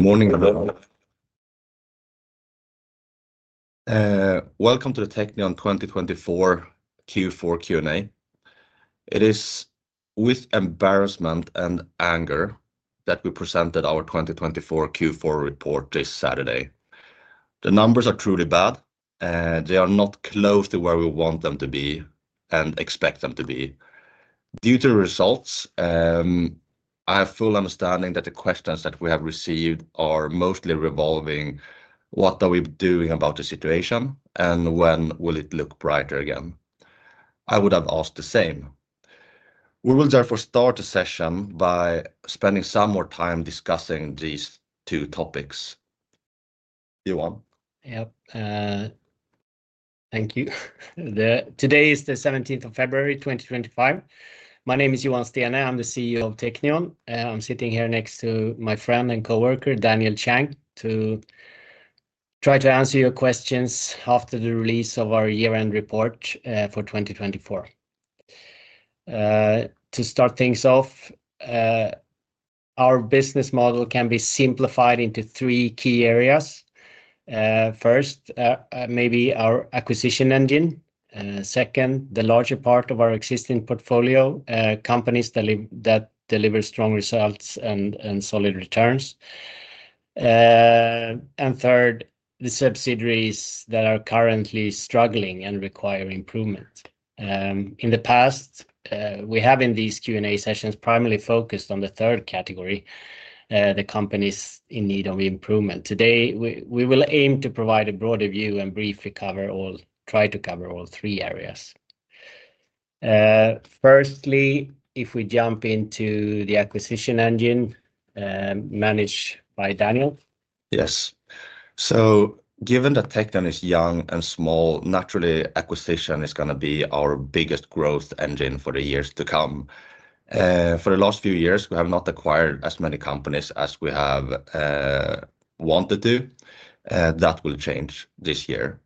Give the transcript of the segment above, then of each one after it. Good morning, everyone. Welcome to the Teqnion 2024 Q4 Q&A. It is with embarrassment and anger that we presented our 2024 Q4 report this Saturday. The numbers are truly bad, and they are not close to where we want them to be and expect them to be. Due to the results, I have full understanding that the questions that we have received are mostly revolving, "What are we doing about the situation, and when will it look brighter again?" I would have asked the same. We will therefore start the session by spending some more time discussing these two topics. Johan? Yep. Thank you. Today is the 17th of February, 2025. My name is Johan Steene. I'm the CEO of Teqnion. I'm sitting here next to my friend and coworker, Daniel Zhang, to try to answer your questions after the release of our year-end report for 2024. To start things off, our business model can be simplified into three key areas. First, maybe our acquisition engine. Second, the larger part of our existing portfolio, companies that deliver strong results and solid returns. And third, the subsidiaries that are currently struggling and require improvement. In the past, we have in these Q&A sessions primarily focused on the third category, the companies in need of improvement. Today, we will aim to provide a broader view and briefly try to cover all three areas. Firstly, if we jump into the acquisition engine managed by Daniel. Yes. Given that Teqnion is young and small, naturally, acquisition is going to be our biggest growth engine for the years to come. For the last few years, we have not acquired as many companies as we have wanted to. That will change this year.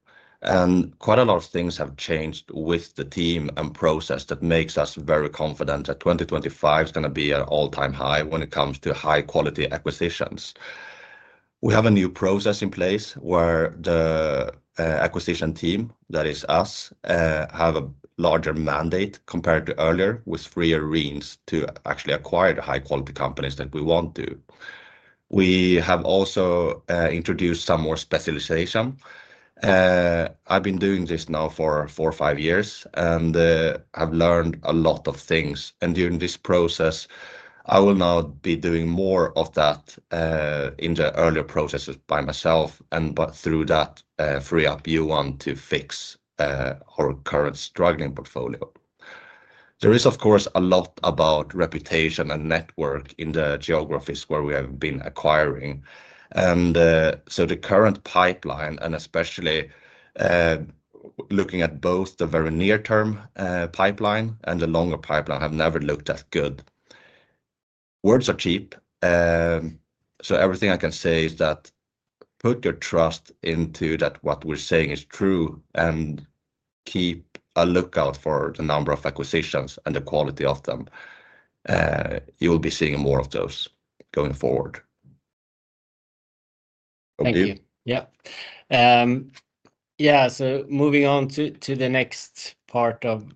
Quite a lot of things have changed with the team and process that makes us very confident that 2025 is going to be at an all-time high when it comes to high-quality acquisitions. We have a new process in place where the acquisition team, that is us, have a larger mandate compared to earlier with three arenas to actually acquire the high-quality companies that we want to. We have also introduced some more specialization. I've been doing this now for four or five years and have learned a lot of things. During this process, I will now be doing more of that in the earlier processes by myself and through that free up Johan to fix our current struggling portfolio. There is, of course, a lot about reputation and network in the geographies where we have been acquiring. The current pipeline, and especially looking at both the very near-term pipeline and the longer pipeline, have never looked as good. Words are cheap. Everything I can say is that put your trust into that what we're saying is true and keep a lookout for the number of acquisitions and the quality of them. You will be seeing more of those going forward. Thank you. Yeah. Yeah. Moving on to the next part of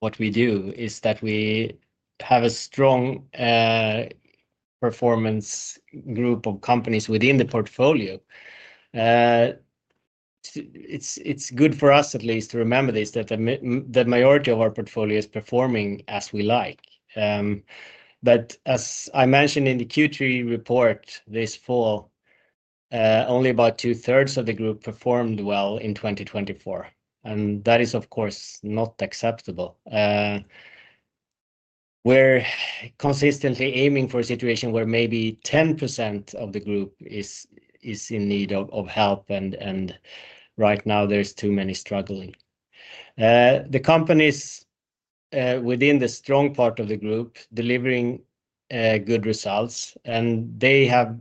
what we do is that we have a strong performance group of companies within the portfolio. It's good for us, at least, to remember this, that the majority of our portfolio is performing as we like. As I mentioned in the Q3 report this fall, only about two-thirds of the group performed well in 2024. That is, of course, not acceptable. We're consistently aiming for a situation where maybe 10% of the group is in need of help, and right now there's too many struggling. The companies within the strong part of the group are delivering good results, and they have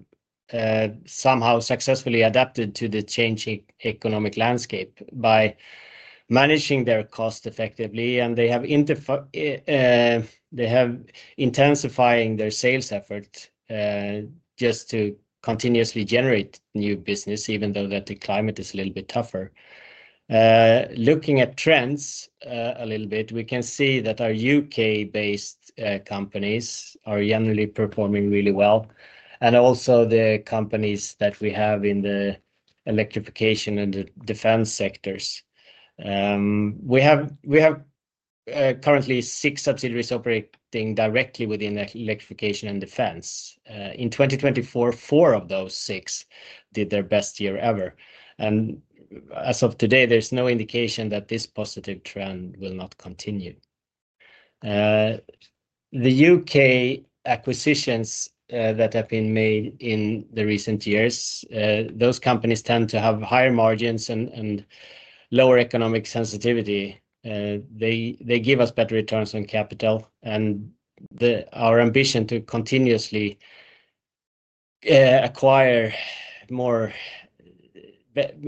somehow successfully adapted to the changing economic landscape by managing their cost effectively, and they have intensifying their sales effort just to continuously generate new business, even though the climate is a little bit tougher. Looking at trends a little bit, we can see that our U.K.-based companies are generally performing really well, and also the companies that we have in the electrification and the defense sectors. We have currently six subsidiaries operating directly within electrification and defense. In 2024, four of those six did their best year ever. As of today, there is no indication that this positive trend will not continue. The U.K. acquisitions that have been made in the recent years, those companies tend to have higher margins and lower economic sensitivity. They give us better returns on capital, and our ambition to continuously acquire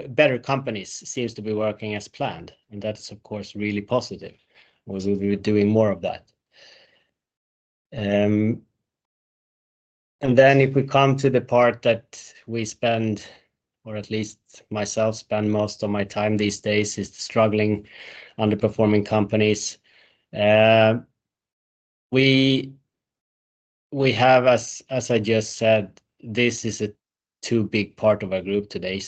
better companies seems to be working as planned. That is, of course, really positive. We are doing more of that. If we come to the part that we spend, or at least myself spend most of my time these days, it is struggling, underperforming companies. We have, as I just said, this is a too big part of our group today.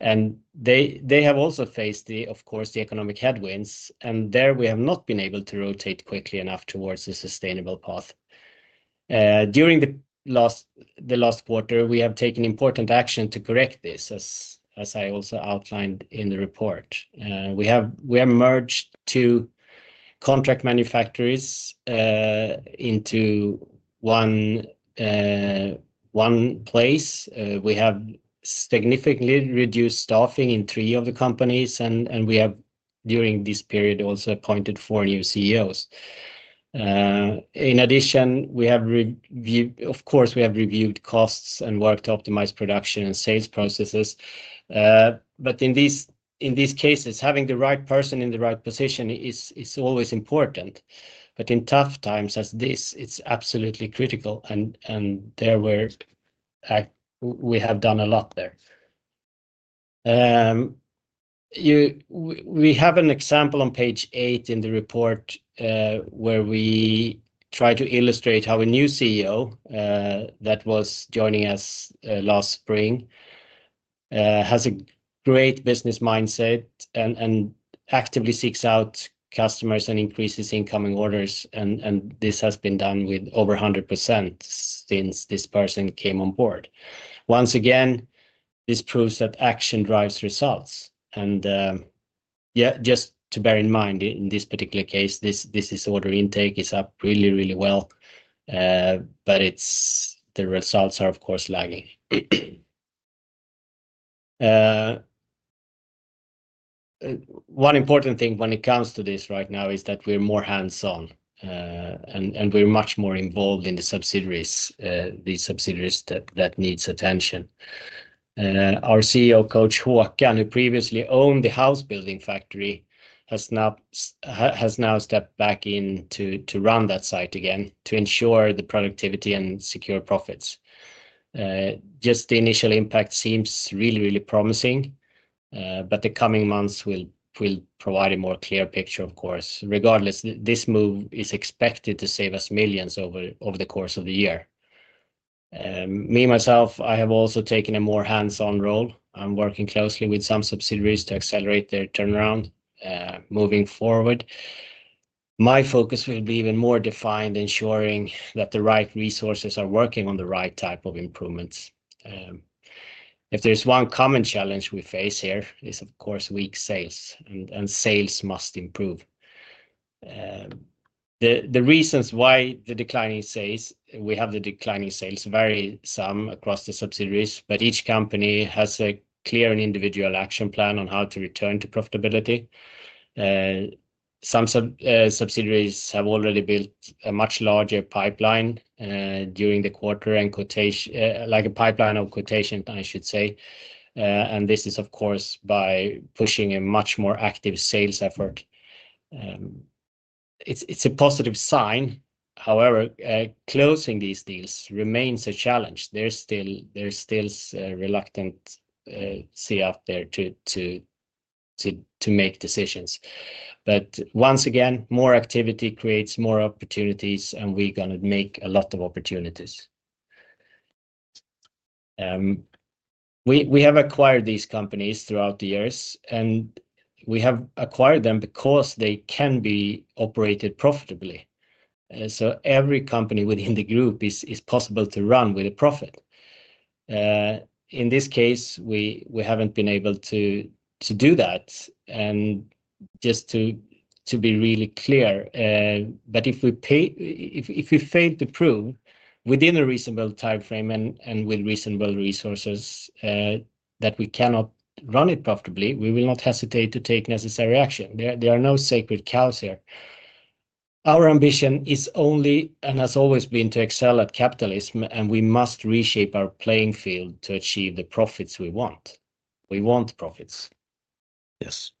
They have also faced, of course, the economic headwinds, and there we have not been able to rotate quickly enough towards a sustainable path. During the last quarter, we have taken important action to correct this, as I also outlined in the report. We have merged two contract manufacturers into one place. We have significantly reduced staffing in three of the companies, and we have, during this period, also appointed four new CEOs. In addition, of course, we have reviewed costs and worked to optimize production and sales processes. In these cases, having the right person in the right position is always important. In tough times as this, it is absolutely critical, and there we have done a lot there. We have an example on page eight in the report where we try to illustrate how a new CEO that was joining us last spring has a great business mindset and actively seeks out customers and increases incoming orders. This has been done with over 100% since this person came on board. Once again, this proves that action drives results. Just to bear in mind, in this particular case, this order intake is up really, really well, but the results are, of course, lagging. One important thing when it comes to this right now is that we're more hands-on, and we're much more involved in the subsidiaries, the subsidiaries that need attention. Our CEO coach, Håkan, who previously owned the house building factory, has now stepped back in to run that site again to ensure the productivity and secure profits. Just the initial impact seems really, really promising, but the coming months will provide a more clear picture, of course. Regardless, this move is expected to save us millions over the course of the year. Me, myself, I have also taken a more hands-on role. I'm working closely with some subsidiaries to accelerate their turnaround moving forward. My focus will be even more defined, ensuring that the right resources are working on the right type of improvements. If there's one common challenge we face here, it's, of course, weak sales, and sales must improve. The reasons why the declining sales, we have the declining sales vary some across the subsidiaries, but each company has a clear and individual action plan on how to return to profitability. Some subsidiaries have already built a much larger pipeline during the quarter, like a pipeline of quotations, I should say. This is, of course, by pushing a much more active sales effort. It's a positive sign. However, closing these deals remains a challenge. There's still a reluctant sea out there to make decisions. Once again, more activity creates more opportunities, and we're going to make a lot of opportunities. We have acquired these companies throughout the years, and we have acquired them because they can be operated profitably. Every company within the group is possible to run with a profit. In this case, we haven't been able to do that. Just to be really clear, if we fail to prove within a reasonable timeframe and with reasonable resources that we cannot run it profitably, we will not hesitate to take necessary action. There are no sacred cows here. Our ambition is only and has always been to excel at capitalism, and we must reshape our playing field to achieve the profits we want. We want profits. Yes.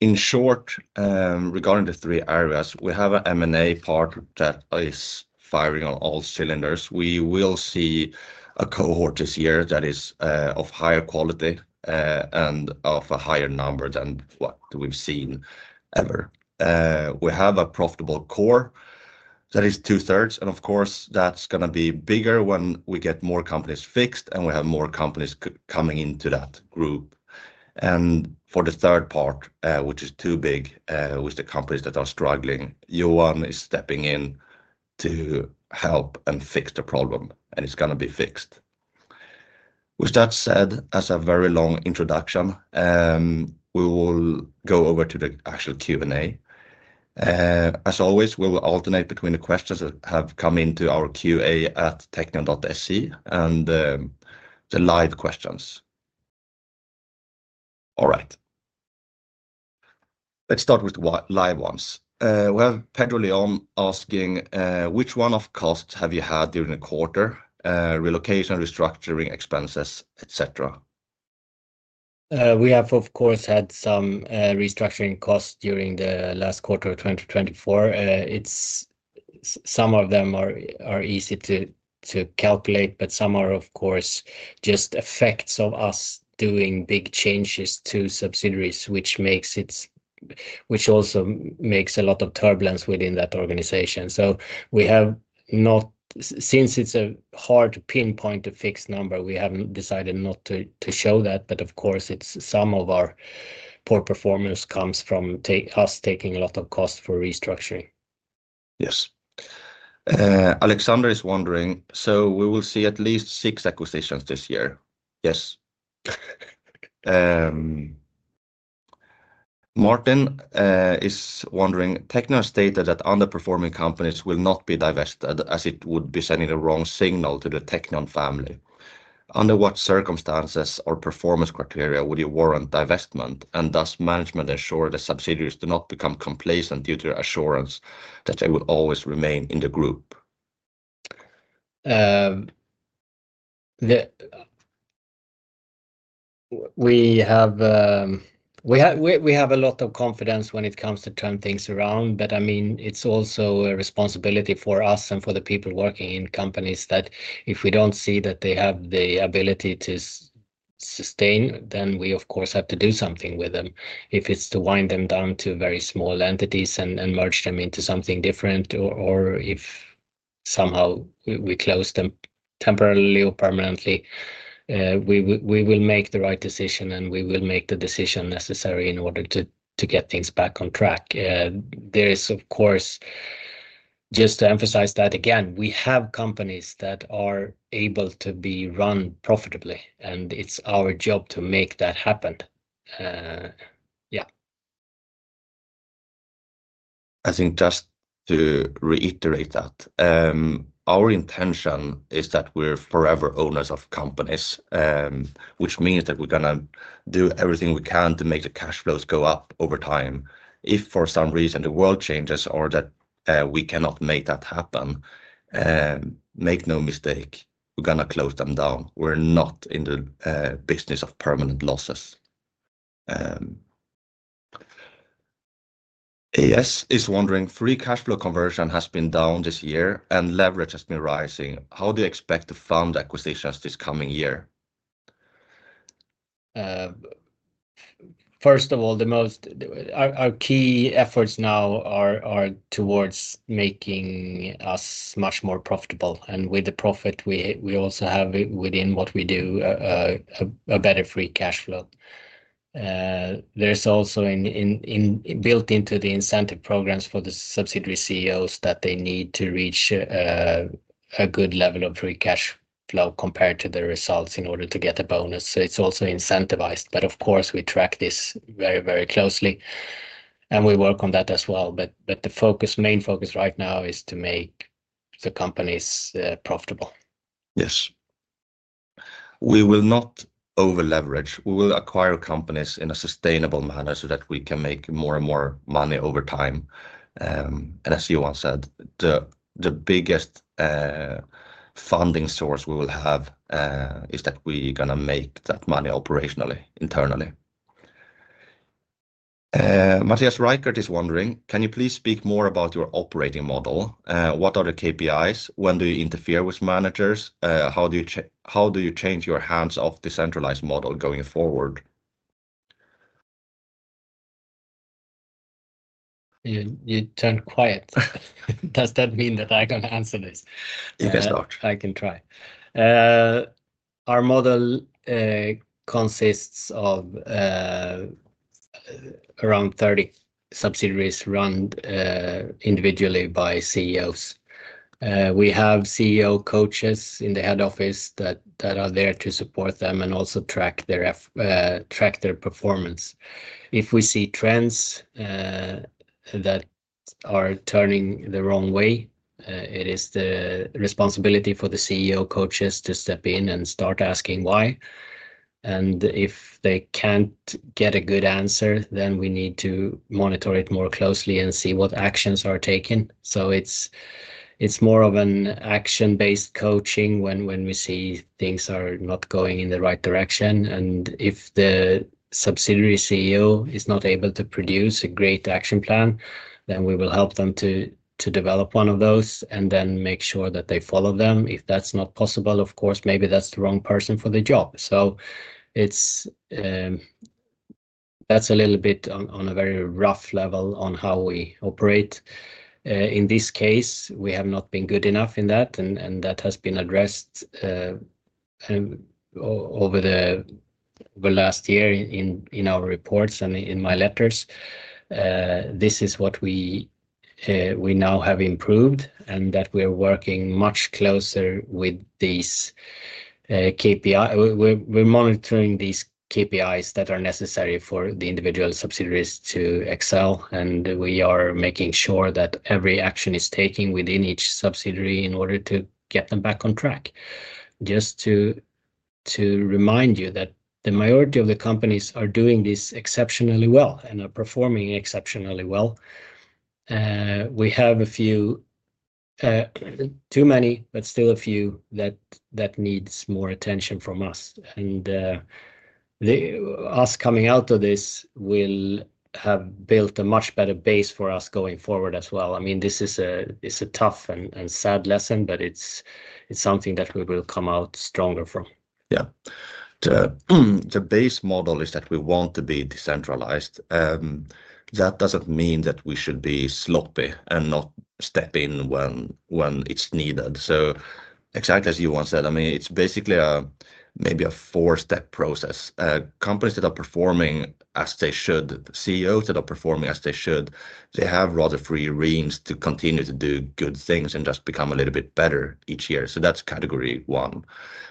In short, regarding the three areas, we have an M&A part that is firing on all cylinders. We will see a cohort this year that is of higher quality and of a higher number than what we've seen ever. We have a profitable core that is two-thirds, and of course, that's going to be bigger when we get more companies fixed and we have more companies coming into that group. For the third part, which is too big, with the companies that are struggling, Johan is stepping in to help and fix the problem, and it's going to be fixed. With that said, as a very long introduction, we will go over to the actual Q&A. As always, we will alternate between the questions that have come into our QA at teqnion.se and the live questions. All right. Let's start with the live ones. We have Pedro Leon asking, which one-off costs have you had during the quarter? Relocation, restructuring, expenses, etc. We have, of course, had some restructuring costs during the last quarter of 2024. Some of them are easy to calculate, but some are, of course, just effects of us doing big changes to subsidiaries, which also makes a lot of turbulence within that organization. Since it's hard to pinpoint a fixed number, we have not decided to show that. Of course, some of our poor performance comes from us taking a lot of costs for restructuring. Yes. Alexander is wondering. We will see at least six acquisitions this year. Yes. Martin is wondering. Teqnion has stated that underperforming companies will not be divested as it would be sending a wrong signal to the Teqnion family. Under what circumstances or performance criteria would you warrant divestment and thus management ensure that subsidiaries do not become complacent due to assurance that they will always remain in the group? We have a lot of confidence when it comes to turning things around, but I mean, it's also a responsibility for us and for the people working in companies that if we don't see that they have the ability to sustain, then we, of course, have to do something with them. If it's to wind them down to very small entities and merge them into something different, or if somehow we close them temporarily or permanently, we will make the right decision and we will make the decision necessary in order to get things back on track. There is, of course, just to emphasize that again, we have companies that are able to be run profitably, and it's our job to make that happen. Yeah. I think just to reiterate that, our intention is that we're forever owners of companies, which means that we're going to do everything we can to make the cash flows go up over time. If for some reason the world changes or that we cannot make that happen, make no mistake, we're going to close them down. We're not in the business of permanent losses. AS is wondering, free cash flow conversion has been down this year and leverage has been rising. How do you expect to fund acquisitions this coming year? First of all, our key efforts now are towards making us much more profitable, and with the profit we also have within what we do, a better free cash flow. There is also built into the incentive programs for the subsidiary CEOs that they need to reach a good level of free cash flow compared to the results in order to get a bonus. It is also incentivized, of course, we track this very, very closely, and we work on that as well. The main focus right now is to make the companies profitable. Yes. We will not over-leverage. We will acquire companies in a sustainable manner so that we can make more and more money over time. As Johan said, the biggest funding source we will have is that we're going to make that money operationally, internally. Matthias Reichert is wondering, can you please speak more about your operating model? What are the KPIs? When do you interfere with managers? How do you change your hands-off decentralized model going forward? You turned quiet. Does that mean that I can answer this? You can start. I can try. Our model consists of around 30 subsidiaries run individually by CEOs. We have CEO coaches in the head office that are there to support them and also track their performance. If we see trends that are turning the wrong way, it is the responsibility for the CEO coaches to step in and start asking why. If they can't get a good answer, then we need to monitor it more closely and see what actions are taken. It is more of an action-based coaching when we see things are not going in the right direction. If the subsidiary CEO is not able to produce a great action plan, then we will help them to develop one of those and then make sure that they follow them. If that's not possible, of course, maybe that's the wrong person for the job. That is a little bit on a very rough level on how we operate. In this case, we have not been good enough in that, and that has been addressed over the last year in our reports and in my letters. This is what we now have improved and that we are working much closer with these KPIs. We are monitoring these KPIs that are necessary for the individual subsidiaries to excel, and we are making sure that every action is taken within each subsidiary in order to get them back on track. Just to remind you that the majority of the companies are doing this exceptionally well and are performing exceptionally well. We have a few, too many, but still a few that need more attention from us. Us coming out of this will have built a much better base for us going forward as well. I mean, this is a tough and sad lesson, but it's something that we will come out stronger from. Yeah. The base model is that we want to be decentralized. That does not mean that we should be sloppy and not step in when it is needed. Exactly as Johan said, I mean, it is basically maybe a four-step process. Companies that are performing as they should, CEOs that are performing as they should, they have rather free reins to continue to do good things and just become a little bit better each year. That is category one.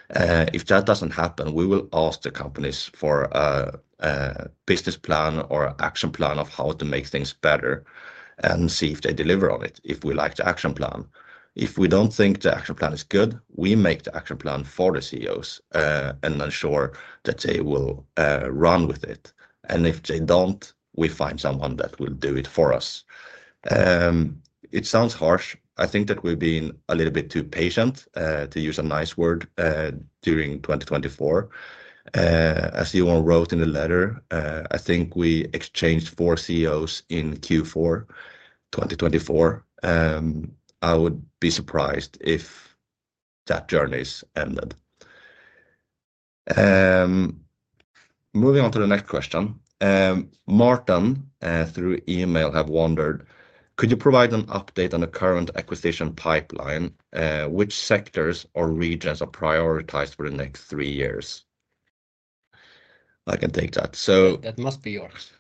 If that does not happen, we will ask the companies for a business plan or action plan of how to make things better and see if they deliver on it, if we like the action plan. If we do not think the action plan is good, we make the action plan for the CEOs and ensure that they will run with it. If they do not, we find someone that will do it for us. It sounds harsh. I think that we've been a little bit too patient, to use a nice word, during 2024. As Johan wrote in the letter, I think we exchanged four CEOs in Q4 2024. I would be surprised if that journey has ended. Moving on to the next question. Martin, through email, has wondered, could you provide an update on the current acquisition pipeline? Which sectors or regions are prioritized for the next three years? I can take that. That must be yours.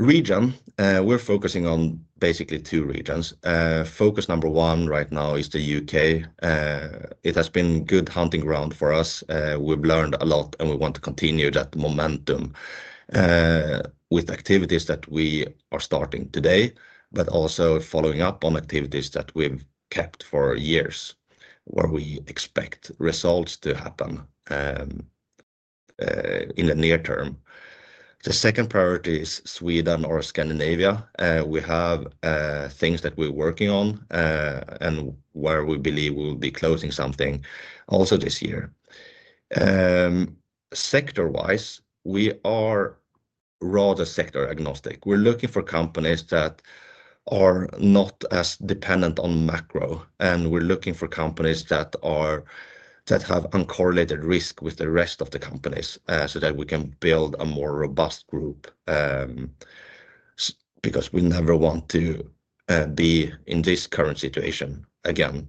Region, we're focusing on basically two regions. Focus number one right now is the U.K. It has been good hunting ground for us. We've learned a lot, and we want to continue that momentum with activities that we are starting today, but also following up on activities that we've kept for years where we expect results to happen in the near term. The second priority is Sweden or Scandinavia. We have things that we're working on and where we believe we will be closing something also this year. Sector-wise, we are rather sector agnostic. We're looking for companies that are not as dependent on macro, and we're looking for companies that have uncorrelated risk with the rest of the companies so that we can build a more robust group because we never want to be in this current situation again.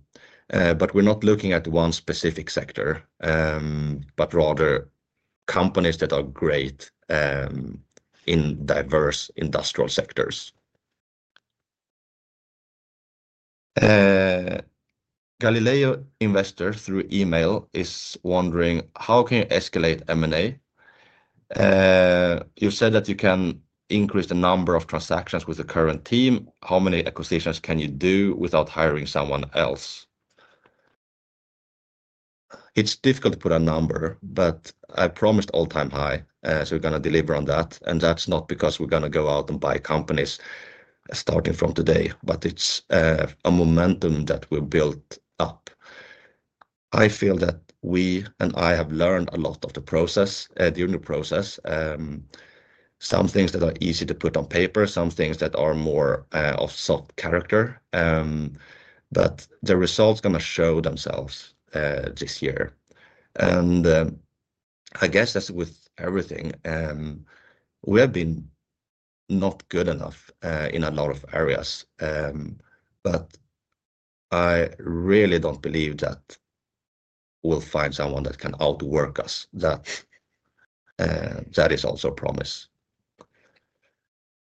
We are not looking at one specific sector, but rather companies that are great in diverse industrial sectors. Galileo Investor through email is wondering, how can you escalate M&A? You said that you can increase the number of transactions with the current team. How many acquisitions can you do without hiring someone else? It's difficult to put a number, but I promised all-time high, so we are going to deliver on that. That is not because we are going to go out and buy companies starting from today, but it is a momentum that we have built up. I feel that we and I have learned a lot of the process during the process. Some things are easy to put on paper, some things are more of soft character. The results are going to show themselves this year. I guess that is with everything. We have been not good enough in a lot of areas, but I really don't believe that we'll find someone that can outwork us. That is also a promise.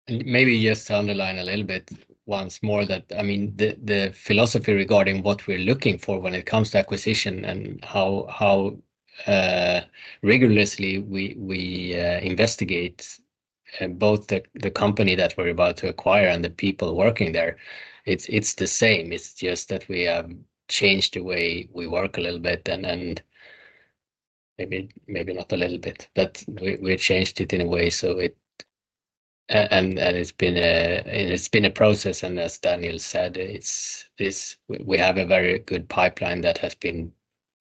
Maybe just to underline a little bit once more that, I mean, the philosophy regarding what we're looking for when it comes to acquisition and how rigorously we investigate both the company that we're about to acquire and the people working there, it's the same. It's just that we have changed the way we work a little bit and maybe not a little bit, but we've changed it in a way. It's been a process, and as Daniel said, we have a very good pipeline that has been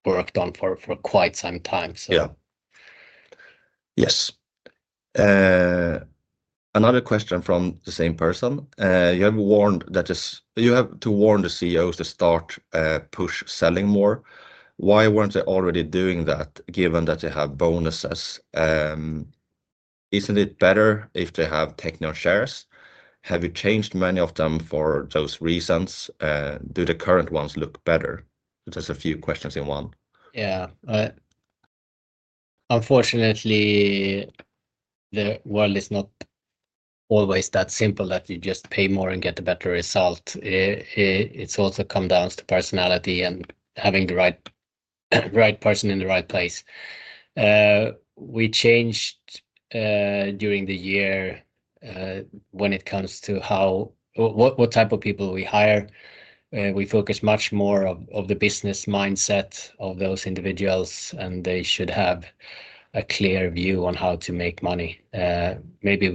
worked on for quite some time. Yeah. Yes. Another question from the same person. You have warned that you have to warn the CEOs to start push selling more. Why weren't they already doing that given that they have bonuses? Isn't it better if they have Teqnion shares? Have you changed many of them for those reasons? Do the current ones look better? There's a few questions in one. Yeah. Unfortunately, the world is not always that simple that you just pay more and get a better result. It also comes down to personality and having the right person in the right place. We changed during the year when it comes to what type of people we hire. We focus much more on the business mindset of those individuals, and they should have a clear view on how to make money. Maybe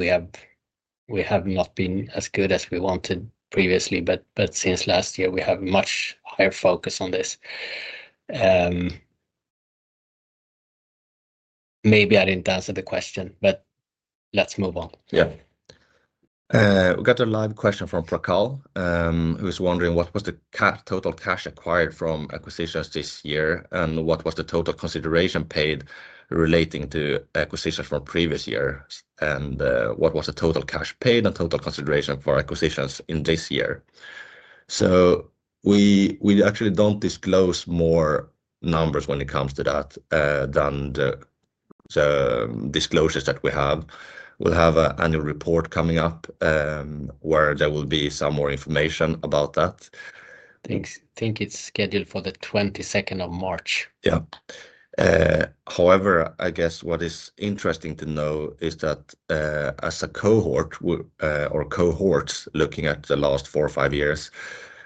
we have not been as good as we wanted previously, but since last year, we have much higher focus on this. Maybe I did not answer the question, but let's move on. Yeah. We got a live question from Prakal, who's wondering what was the total cash acquired from acquisitions this year and what was the total consideration paid relating to acquisitions from previous year and what was the total cash paid and total consideration for acquisitions in this year. We actually don't disclose more numbers when it comes to that than the disclosures that we have. We'll have an annual report coming up where there will be some more information about that. I think it's scheduled for the 22nd of March. Yeah. However, I guess what is interesting to know is that as a cohort or cohorts looking at the last four or five years,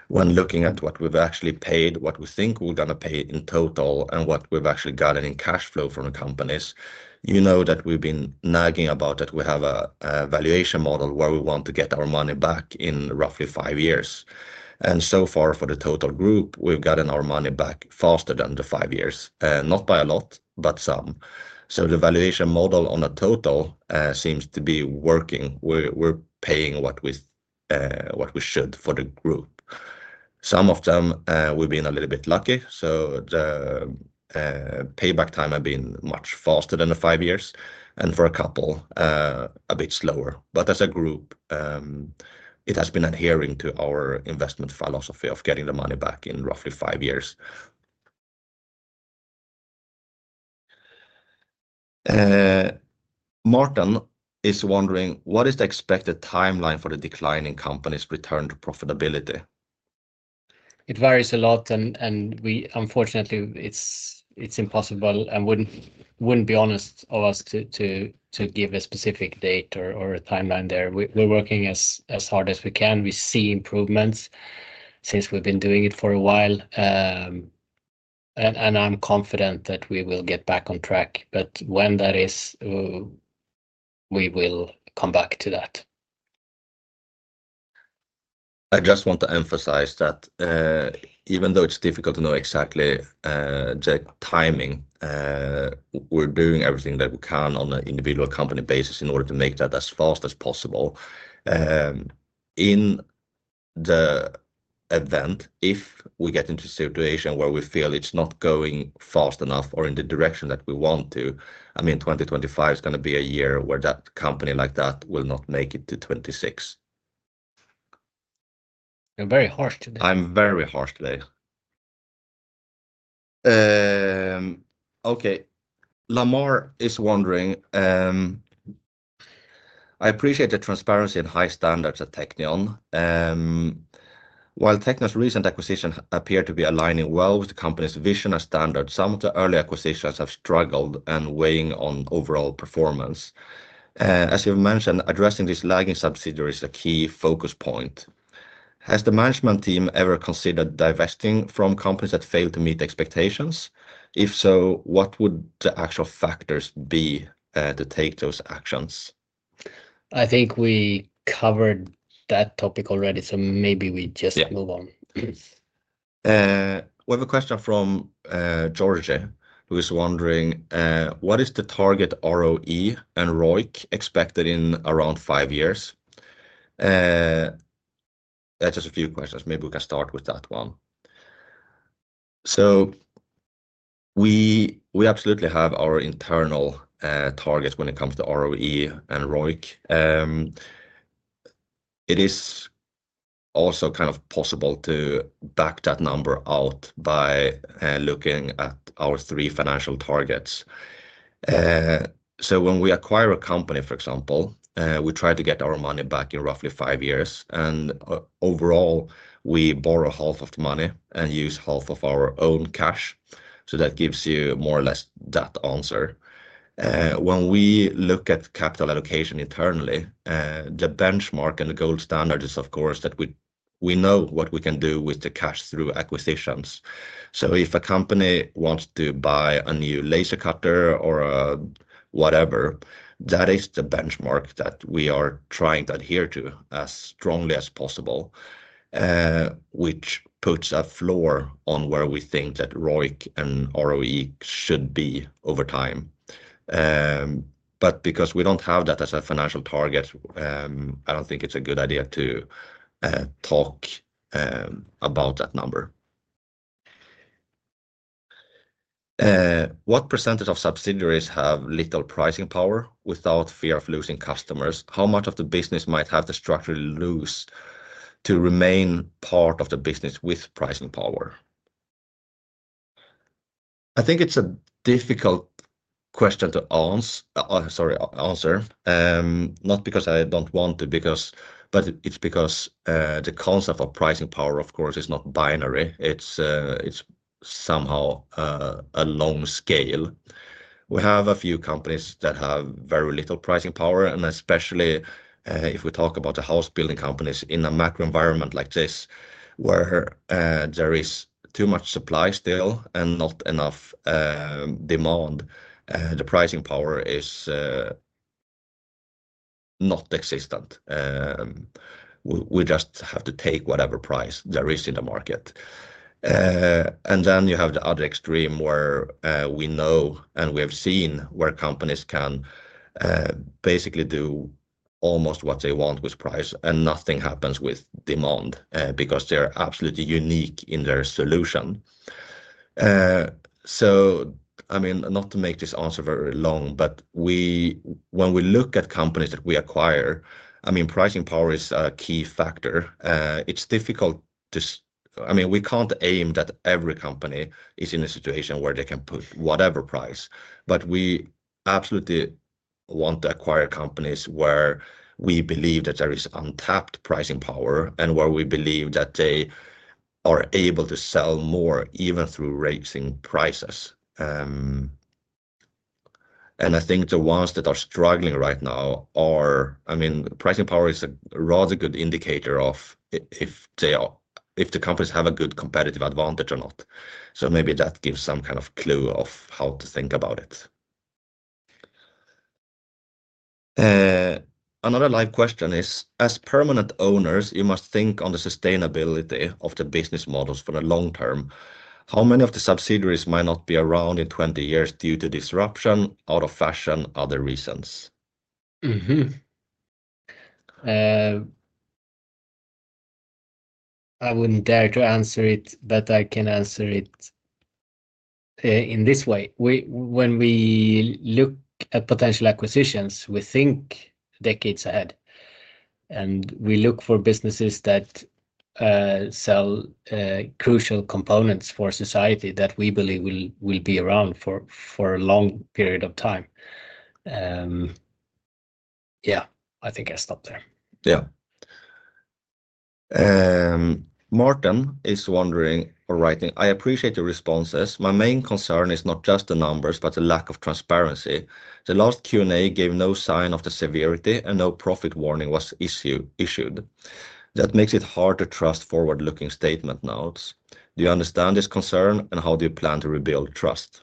when looking at what we've actually paid, what we think we're going to pay in total and what we've actually gotten in cash flow from the companies, you know that we've been nagging about that we have a valuation model where we want to get our money back in roughly five years. So far for the total group, we've gotten our money back faster than the five years, not by a lot, but some. The valuation model on a total seems to be working. We're paying what we should for the group. Some of them, we've been a little bit lucky. The payback time has been much faster than the five years and for a couple, a bit slower. As a group, it has been adhering to our investment philosophy of getting the money back in roughly five years. Martin is wondering, what is the expected timeline for the decline in companies' return to profitability? It varies a lot, and unfortunately, it's impossible and wouldn't be honest of us to give a specific date or a timeline there. We're working as hard as we can. We see improvements since we've been doing it for a while. I am confident that we will get back on track. When that is, we will come back to that. I just want to emphasize that even though it's difficult to know exactly the timing, we're doing everything that we can on an individual company basis in order to make that as fast as possible. In the event if we get into a situation where we feel it's not going fast enough or in the direction that we want to, I mean, 2025 is going to be a year where that company like that will not make it to 2026. You're very harsh today. I'm very harsh today. Okay. Lamar is wondering, I appreciate the transparency and high standards at Teqnion. While Teqnion's recent acquisition appeared to be aligning well with the company's vision and standards, some of the early acquisitions have struggled and weighed on overall performance. As you've mentioned, addressing these lagging subsidiaries is a key focus point. Has the management team ever considered divesting from companies that failed to meet expectations? If so, what would the actual factors be to take those actions? I think we covered that topic already, so maybe we just move on. We have a question from Georgi, who is wondering, what is the target ROE and ROIC expected in around five years? That's just a few questions. Maybe we can start with that one. We absolutely have our internal targets when it comes to ROE and ROIC. It is also kind of possible to back that number out by looking at our three financial targets. When we acquire a company, for example, we try to get our money back in roughly five years. Overall, we borrow half of the money and use half of our own cash. That gives you more or less that answer. When we look at capital allocation internally, the benchmark and the gold standard is, of course, that we know what we can do with the cash through acquisitions. If a company wants to buy a new laser cutter or whatever, that is the benchmark that we are trying to adhere to as strongly as possible, which puts a floor on where we think that ROIC and ROE should be over time. Because we do not have that as a financial target, I do not think it is a good idea to talk about that number. What percentage of subsidiaries have little pricing power without fear of losing customers? How much of the business might have the structure to lose to remain part of the business with pricing power? I think it is a difficult question to answer. Not because I do not want to, but it is because the concept of pricing power, of course, is not binary. It is somehow a long scale. We have a few companies that have very little pricing power. Especially if we talk about the house-building companies in a macro environment like this, where there is too much supply still and not enough demand, the pricing power is not existent. We just have to take whatever price there is in the market. You have the other extreme where we know and we have seen where companies can basically do almost what they want with price and nothing happens with demand because they're absolutely unique in their solution. I mean, not to make this answer very long, but when we look at companies that we acquire, I mean, pricing power is a key factor. It's difficult to, I mean, we can't aim that every company is in a situation where they can put whatever price. We absolutely want to acquire companies where we believe that there is untapped pricing power and where we believe that they are able to sell more even through raising prices. I think the ones that are struggling right now are, I mean, pricing power is a rather good indicator of if the companies have a good competitive advantage or not. Maybe that gives some kind of clue of how to think about it. Another live question is, as permanent owners, you must think on the sustainability of the business models for the long term. How many of the subsidiaries might not be around in 20 years due to disruption, out of fashion, other reasons? I wouldn't dare to answer it, but I can answer it in this way. When we look at potential acquisitions, we think decades ahead. We look for businesses that sell crucial components for society that we believe will be around for a long period of time. Yeah, I think I'll stop there. Yeah. Martin is wondering or writing, I appreciate your responses. My main concern is not just the numbers, but the lack of transparency. The last Q&A gave no sign of the severity and no profit warning was issued. That makes it hard to trust forward-looking statement notes. Do you understand this concern and how do you plan to rebuild trust?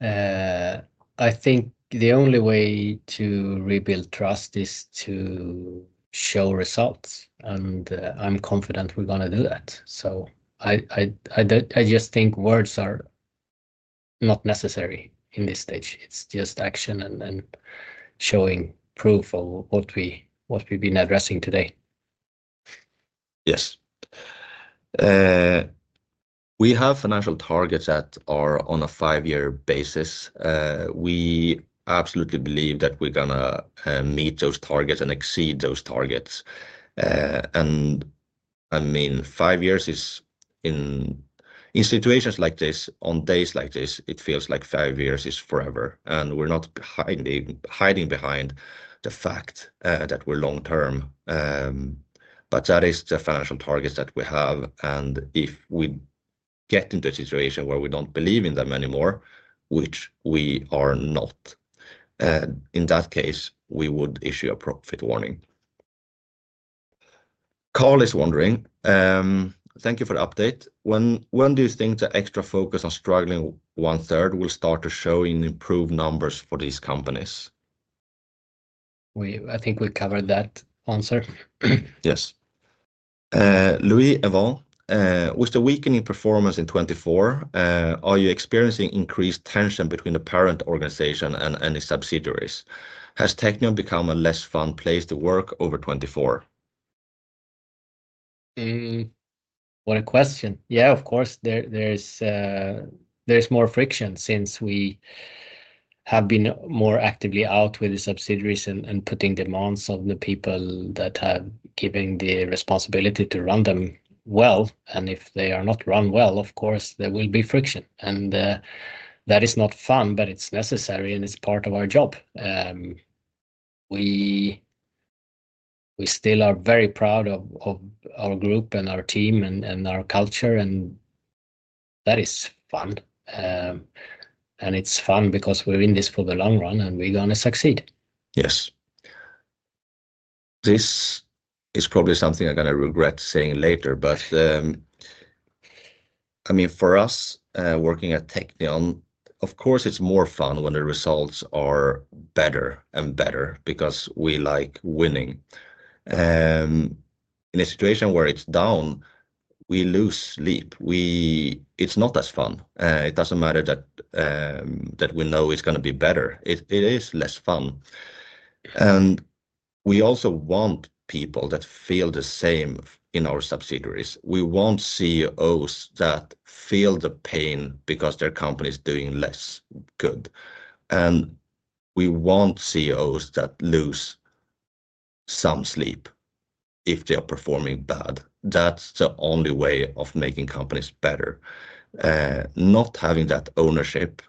I think the only way to rebuild trust is to show results. I'm confident we're going to do that. I just think words are not necessary in this stage. It is just action and showing proof of what we've been addressing today. Yes. We have financial targets that are on a five-year basis. We absolutely believe that we're going to meet those targets and exceed those targets. I mean, five years is in situations like this, on days like this, it feels like five years is forever. We're not hiding behind the fact that we're long-term. That is the financial targets that we have. If we get into a situation where we don't believe in them anymore, which we are not, in that case, we would issue a profit warning. Carl is wondering, thank you for the update. When do you think the extra focus on struggling one-third will start to show in improved numbers for these companies? I think we covered that answer. Yes. Louis Evans, with the weakening performance in 2024, are you experiencing increased tension between the parent organization and any subsidiaries? Has Teqnion become a less fun place to work over 2024? What a question. Yeah, of course. There's more friction since we have been more actively out with the subsidiaries and putting demands on the people that have given the responsibility to run them well. If they are not run well, of course, there will be friction. That is not fun, but it's necessary and it's part of our job. We still are very proud of our group and our team and our culture. That is fun. It's fun because we're in this for the long run and we're going to succeed. Yes. This is probably something I'm going to regret saying later, but I mean, for us working at Teqnion, of course, it's more fun when the results are better and better because we like winning. In a situation where it's down, we lose sleep. It's not as fun. It doesn't matter that we know it's going to be better. It is less fun. We also want people that feel the same in our subsidiaries. We want CEOs that feel the pain because their company is doing less good. We want CEOs that lose some sleep if they are performing bad. That's the only way of making companies better. Not having that ownership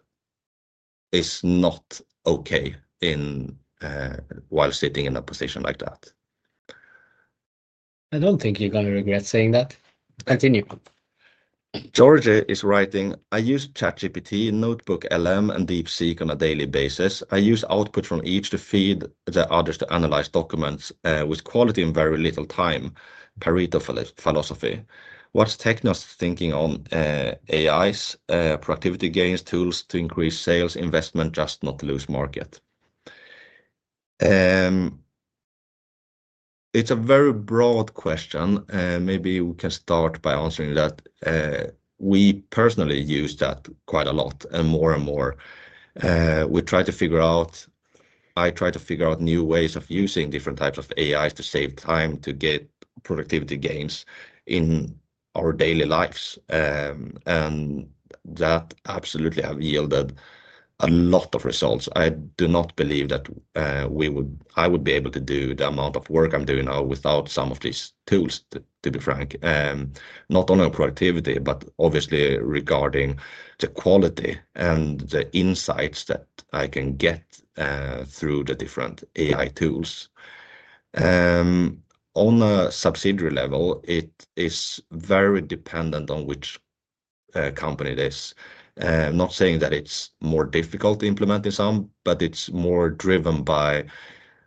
is not okay while sitting in a position like that. I don't think you're going to regret saying that. Continue. George is writing, I use ChatGPT, NotebookLM, and DeepSeek on a daily basis. I use output from each to feed the others to analyze documents with quality and very little time, Pareto philosophy. What is Teqnion thinking on AI's productivity gains tools to increase sales investment, just not lose market? It is a very broad question. Maybe we can start by answering that. We personally use that quite a lot and more and more. We try to figure out, I try to figure out new ways of using different types of AI to save time to get productivity gains in our daily lives. That absolutely has yielded a lot of results. I do not believe that I would be able to do the amount of work I am doing now without some of these tools, to be frank. Not only on productivity, but obviously regarding the quality and the insights that I can get through the different AI tools. On a subsidiary level, it is very dependent on which company it is. I'm not saying that it's more difficult to implement in some, but it's more driven by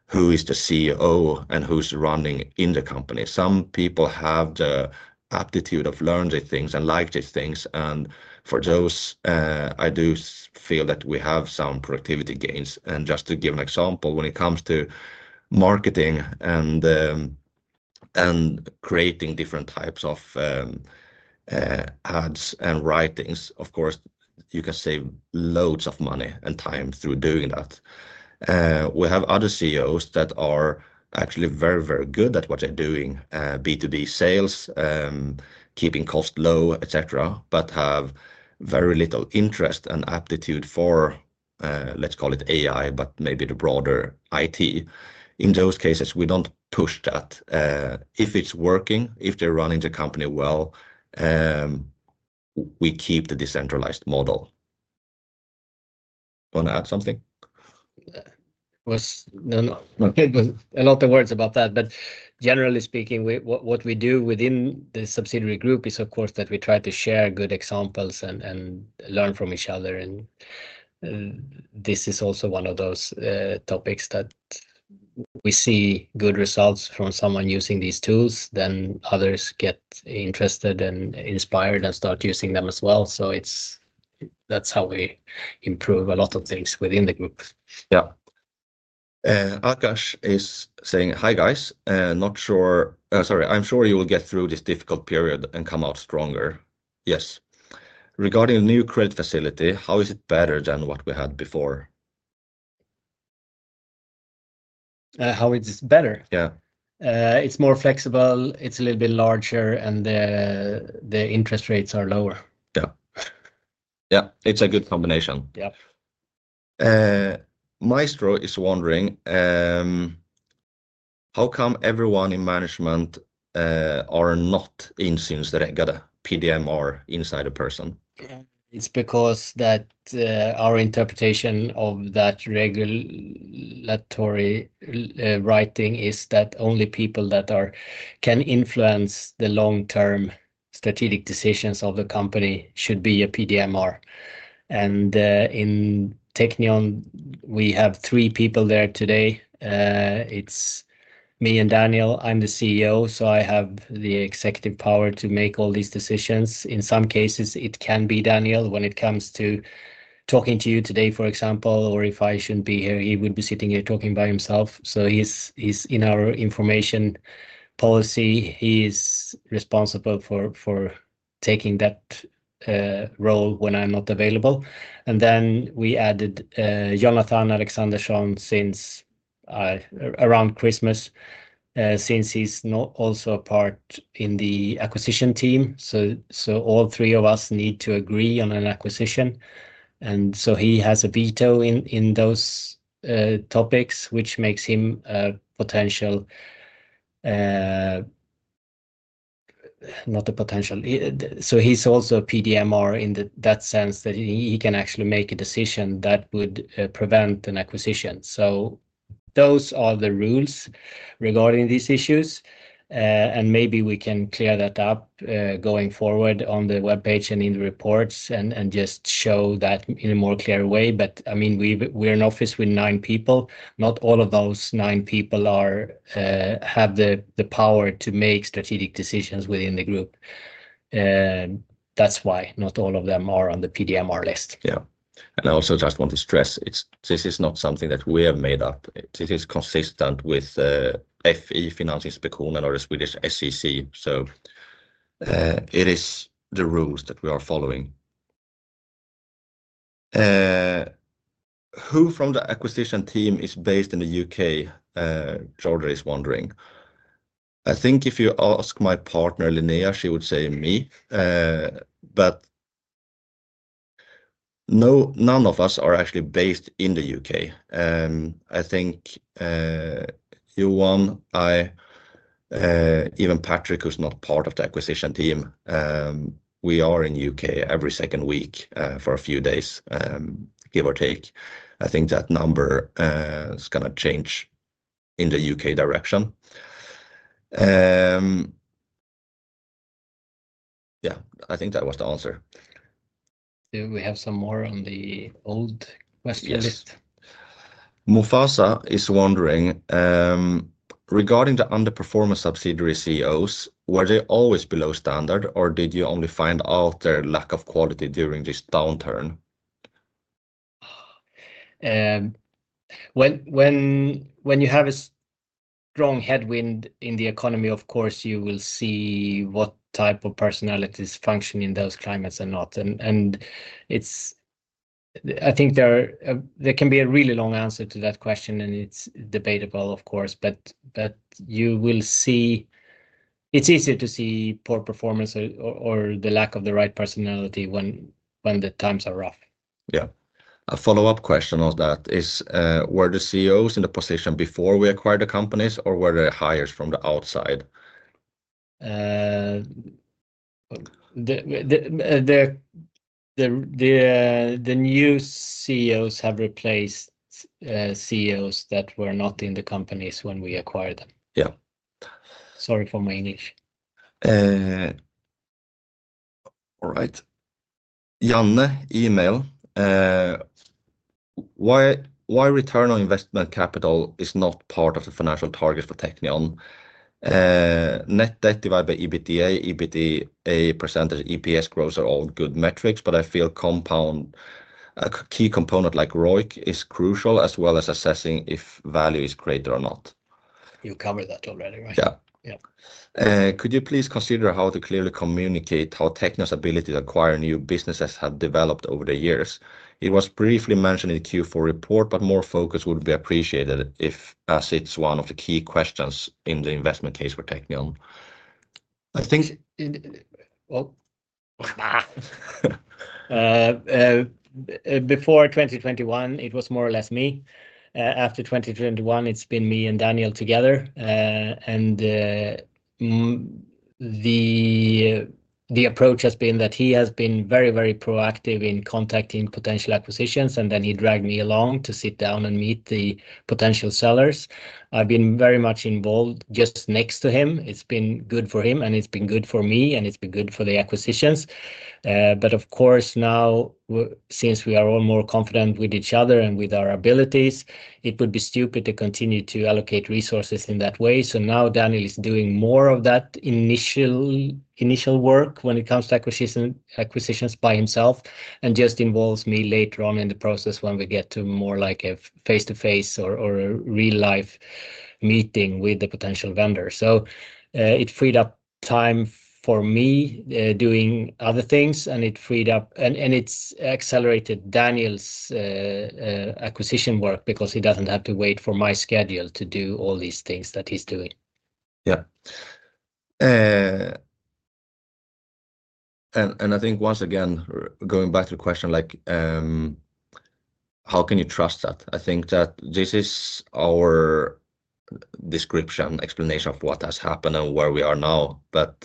who is the CEO and who's running in the company. Some people have the aptitude of learning these things and liking these things. For those, I do feel that we have some productivity gains. Just to give an example, when it comes to marketing and creating different types of ads and writings, of course, you can save loads of money and time through doing that. We have other CEOs that are actually very, very good at what they're doing, B2B sales, keeping costs low, etc., but have very little interest and aptitude for, let's call it AI, but maybe the broader IT. In those cases, we don't push that. If it's working, if they're running the company well, we keep the decentralized model. Want to add something? is a lot of words about that. Generally speaking, what we do within the subsidiary group is, of course, that we try to share good examples and learn from each other. This is also one of those topics that we see good results from someone using these tools, then others get interested and inspired and start using them as well. That is how we improve a lot of things within the group. Yeah. Akash is saying, "Hi guys." Sorry, I'm sure you will get through this difficult period and come out stronger. Yes. Regarding the new credit facility, how is it better than what we had before? How is it better? Yeah. It's more flexible. It's a little bit larger, and the interest rates are lower. Yeah. Yeah. It's a good combination. Yeah. Maestro is wondering, how come everyone in management are not insynsregler PDMR insider person? It's because that our interpretation of that regulatory writing is that only people that can influence the long-term strategic decisions of the company should be a PDMR. In Teqnion, we have three people there today. It's me and Daniel. I'm the CEO, so I have the executive power to make all these decisions. In some cases, it can be Daniel when it comes to talking to you today, for example, or if I shouldn't be here, he would be sitting here talking by himself. He's in our information policy. He's responsible for taking that role when I'm not available. We added Jonathan Alexandersson around Christmas since he's also a part in the acquisition team. All three of us need to agree on an acquisition. He has a veto in those topics, which makes him a potential, not a potential. He is also a PDMR in that sense that he can actually make a decision that would prevent an acquisition. Those are the rules regarding these issues. Maybe we can clear that up going forward on the web page and in the reports and just show that in a more clear way. I mean, we're an office with nine people. Not all of those nine people have the power to make strategic decisions within the group. That's why not all of them are on the PDMR list. Yeah. I also just want to stress, this is not something that we have made up. This is consistent with FI Finansinspektionen or the Swedish SEC. It is the rules that we are following. Who from the acquisition team is based in the U.K.? Jorda is wondering. I think if you ask my partner, Linnea, she would say me. None of us are actually based in the U.K. I think Johan, even Patrick, who's not part of the acquisition team, we are in the U.K. every second week for a few days, give or take. I think that number is going to change in the U.K. direction. I think that was the answer. Do we have some more on the old question list? Yes. Mufasa is wondering, regarding the underperforming subsidiary CEOs, were they always below standard or did you only find out their lack of quality during this downturn? When you have a strong headwind in the economy, of course, you will see what type of personalities function in those climates or not. I think there can be a really long answer to that question, and it's debatable, of course. You will see it's easier to see poor performance or the lack of the right personality when the times are rough. Yeah. A follow-up question on that is, were the CEOs in the position before we acquired the companies or were they hired from the outside? The new CEOs have replaced CEOs that were not in the companies when we acquired them. Yeah. Sorry for my English. All right. Janne, email. Why return on investment capital is not part of the financial targets for Teqnion. Net debt divided by EBITDA, EBITDA percentage, EPS growth are all good metrics, but I feel a key component like ROIC is crucial as well as assessing if value is greater or not. You covered that already, right? Yeah. Could you please consider how to clearly communicate how Teqnion's ability to acquire new businesses has developed over the years? It was briefly mentioned in the Q4 report, but more focus would be appreciated if, as it's one of the key questions in the investment case for Teqnion. I think, well. Before 2021, it was more or less me. After 2021, it's been me and Daniel together. The approach has been that he has been very, very proactive in contacting potential acquisitions, and then he dragged me along to sit down and meet the potential sellers. I've been very much involved just next to him. It's been good for him, and it's been good for me, and it's been good for the acquisitions. Of course, now, since we are all more confident with each other and with our abilities, it would be stupid to continue to allocate resources in that way. Now Daniel is doing more of that initial work when it comes to acquisitions by himself and just involves me later on in the process when we get to more like a face-to-face or a real-life meeting with the potential vendor. It freed up time for me doing other things, and it freed up, and it's accelerated Daniel's acquisition work because he doesn't have to wait for my schedule to do all these things that he's doing. Yeah. I think once again, going back to the question, how can you trust that? I think that this is our description, explanation of what has happened and where we are now, but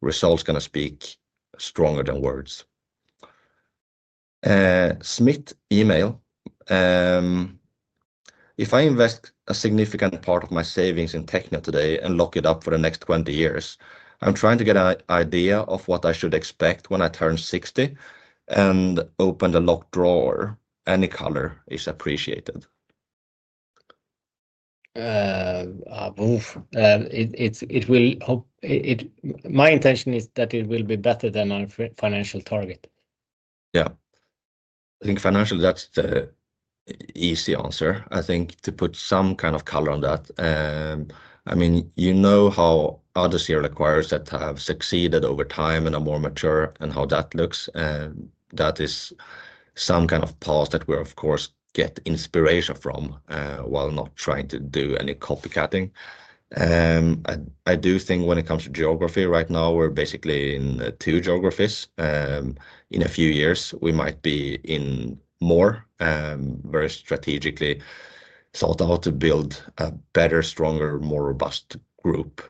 results can speak stronger than words. Smith, email. If I invest a significant part of my savings in Teqnion today and lock it up for the next 20 years, I'm trying to get an idea of what I should expect when I turn 60 and open the locked drawer. Any color is appreciated. My intention is that it will be better than our financial target. Yeah. I think financially, that's the easy answer. I think to put some kind of color on that, I mean, you know how other serial acquirers that have succeeded over time and are more mature and how that looks. That is some kind of path that we're, of course, get inspiration from while not trying to do any copycatting. I do think when it comes to geography right now, we're basically in two geographies. In a few years, we might be in more, very strategically thought out to build a better, stronger, more robust group.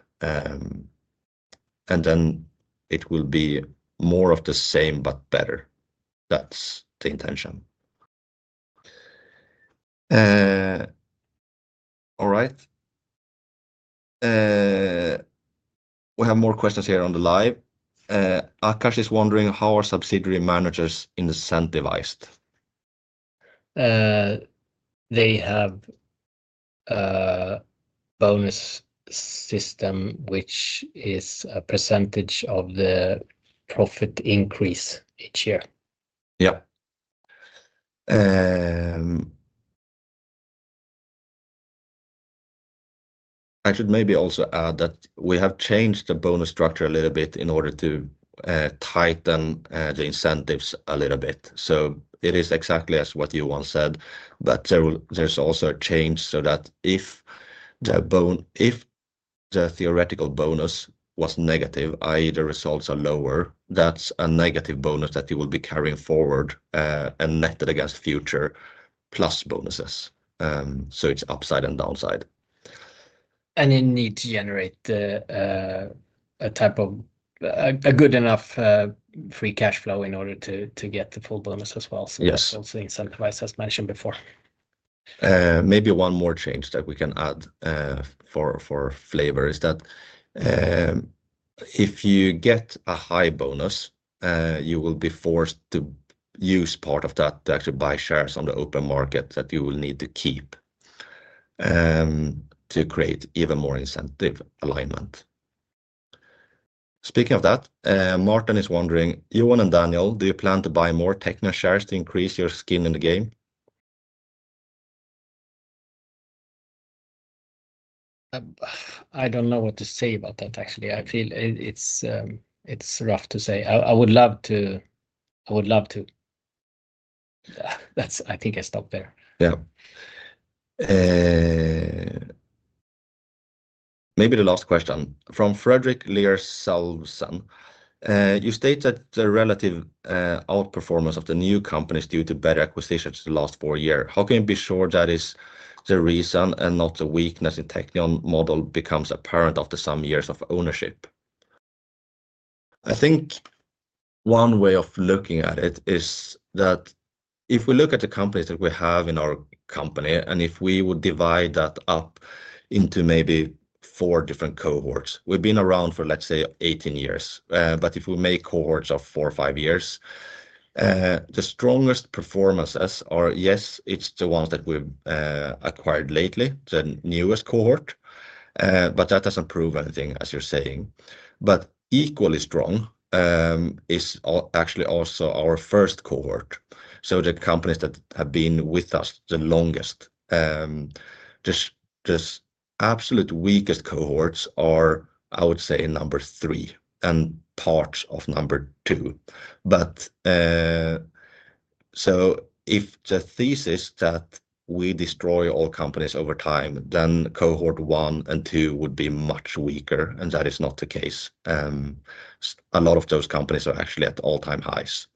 It will be more of the same, but better. That's the intention. All right. We have more questions here on the live. Akash is wondering, how are subsidiary managers incentivized? They have a bonus system, which is a percentage of the profit increase each year. Yeah. I should maybe also add that we have changed the bonus structure a little bit in order to tighten the incentives a little bit. It is exactly as what Johan said, but there's also a change so that if the theoretical bonus was negative, i.e., the results are lower, that's a negative bonus that you will be carrying forward and netted against future plus bonuses. It is upside and downside. You need to generate a good enough free cash flow in order to get the full bonus as well. It is also incentivized, as mentioned before. Maybe one more change that we can add for flavor is that if you get a high bonus, you will be forced to use part of that to actually buy shares on the open market that you will need to keep to create even more incentive alignment. Speaking of that, Martin is wondering, Johan and Daniel, do you plan to buy more Teqnion shares to increase your skin in the game? I don't know what to say about that, actually. I feel it's rough to say. I would love to. I would love to. I think I stopped there. Yeah. Maybe the last question. From Frederick Lier Salvesen, you state that the relative outperformance of the new companies due to better acquisitions the last four years. How can you be sure that is the reason and not the weakness in Teqnion model becomes apparent after some years of ownership? I think one way of looking at it is that if we look at the companies that we have in our company, and if we would divide that up into maybe four different cohorts, we've been around for, let's say, 18 years. If we make cohorts of four or five years, the strongest performances are, yes, it's the ones that we've acquired lately, the newest cohort, but that doesn't prove anything, as you're saying. Equally strong is actually also our first cohort. The companies that have been with us the longest, just absolute weakest cohorts are, I would say, number three and parts of number two. If the thesis that we destroy all companies over time, then cohort one and two would be much weaker, and that is not the case. A lot of those companies are actually at all-time highs.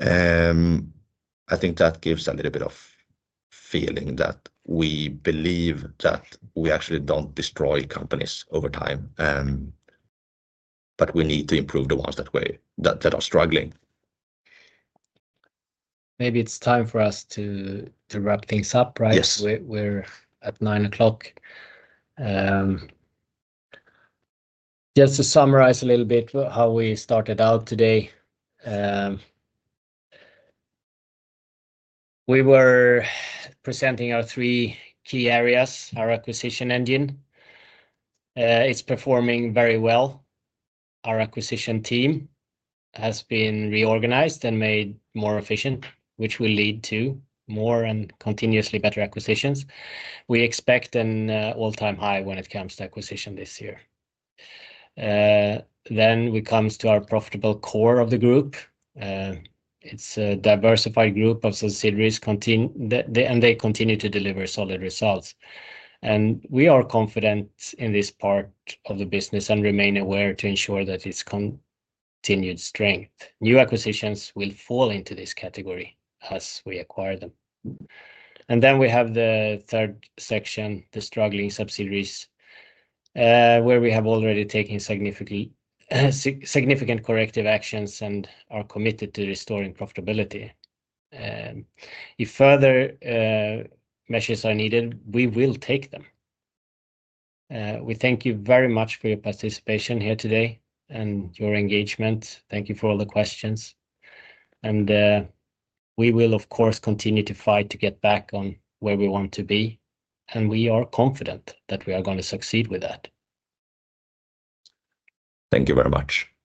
I think that gives a little bit of feeling that we believe that we actually don't destroy companies over time, but we need to improve the ones that are struggling. Maybe it's time for us to wrap things up, right? Yes. We're at 9:00 o'clock. Just to summarize a little bit how we started out today, we were presenting our three key areas, our acquisition engine. It's performing very well. Our acquisition team has been reorganized and made more efficient, which will lead to more and continuously better acquisitions. We expect an all-time high when it comes to acquisition this year. We come to our profitable core of the group. It's a diversified group of subsidiaries, and they continue to deliver solid results. We are confident in this part of the business and remain aware to ensure that it's continued strength. New acquisitions will fall into this category as we acquire them. We have the third section, the struggling subsidiaries, where we have already taken significant corrective actions and are committed to restoring profitability. If further measures are needed, we will take them. We thank you very much for your participation here today and your engagement. Thank you for all the questions. We will, of course, continue to fight to get back on where we want to be. We are confident that we are going to succeed with that. Thank you very much.